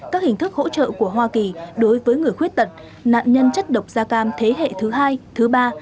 các hình thức hỗ trợ của hoa kỳ đối với người khuyết tật nạn nhân chất độc da cam thế hệ thứ hai thứ ba